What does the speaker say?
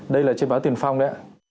đây là trên báo tiền phong đấy